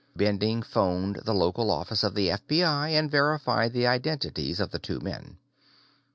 Bending phoned the local office of the FBI and verified the identities of the two men.